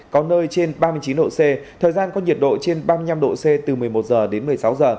có nơi trên ba mươi chín độ c thời gian có nhiệt độ trên ba mươi năm độ c từ một mươi một h đến một mươi sáu h